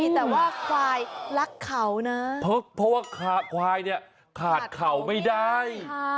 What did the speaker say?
แต่ว่าควายรักเขานะเพราะว่าควายเนี่ยขาดเข่าไม่ได้